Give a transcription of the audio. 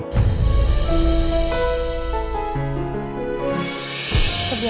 gak usah senyum senyum